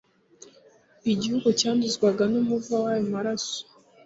igihugu cyanduzwa n'umuvu w'ayo maraso